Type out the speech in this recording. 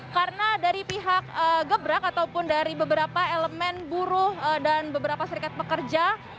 karena dari pihak gebrak ataupun dari beberapa elemen buruh dan beberapa serikat pekerja